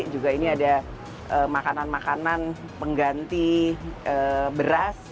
juga ini ada makanan makanan pengganti beras